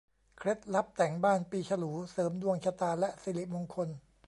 เคล็ดลับแต่งบ้านปีฉลู เสริมดวงชะตาและสิริมงคล